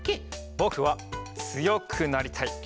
ぼくはつよくなりたい。